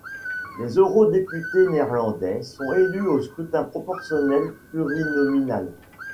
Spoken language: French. Les eurodéputés néerlandais sont élus au scrutin proportionnel plurinominal.